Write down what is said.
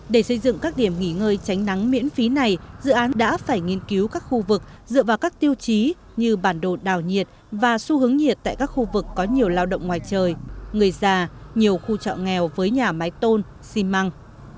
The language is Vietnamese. để xây dựng các điểm nghỉ ngơi tránh nắng miễn phí này dự án đã phải nghiên cứu các khu vực dựa vào các tiêu chí như bản đồ đào nhiệt và xu hướng nhiệt tại các khu vực có nhiều lao động ngoài trời người già nhiều khu trọ nghèo với nhà máy tôn xi măng